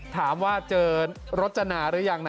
ถามว่าเจอรจนาหรือยังนะ